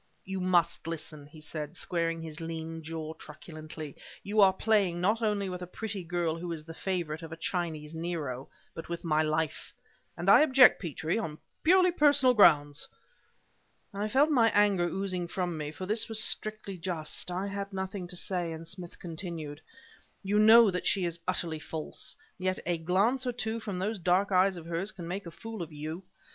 "You must listen," he said, squaring his lean jaw truculently. "You are playing, not only with a pretty girl who is the favorite of a Chinese Nero, but with my life! And I object, Petrie, on purely personal grounds!" I felt my anger oozing from me; for this was strictly just. I had nothing to say, and Smith continued: "You know that she is utterly false, yet a glance or two from those dark eyes of hers can make a fool of you!